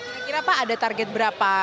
kira kira pak ada target berapa